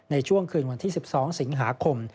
ในช่วงคืนวันที่๑๒สิงหาคม